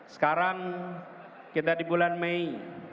sekarang kita di bulan mei